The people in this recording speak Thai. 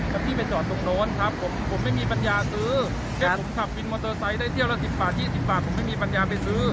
แต่พี่ไปจอดตรงโน้นครับผมผมไม่มีปัญญาซื้อแค่ผมขับวินมอเตอร์ไซค์ได้เที่ยวละ๑๐บาท๒๐บาทผมไม่มีปัญญาไปซื้อ